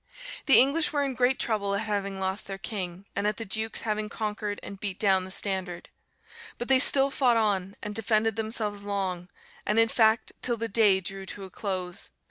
"The English were in great trouble at having lost their king, and at the Duke's having conquered and beat down the standard; but they still fought on, and defended themselves long, and in fact till the day drew to a close.